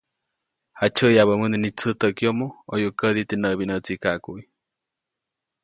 Jaʼtsyäʼyabäʼmuŋde nitsätäʼk yomo ʼoyuʼk kädi teʼ näʼbinʼäʼtsikaʼkuʼy.